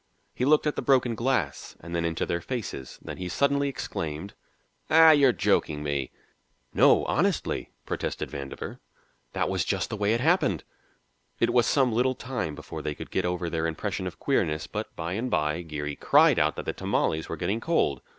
He looked at the broken glass and then into their faces. Then he suddenly exclaimed: "Ah, you're joking me." "No, honestly," protested Vandover, "that was just the way it happened." It was some little time before they could get over their impression of queerness, but by and by Geary cried out that the tamales were getting cold.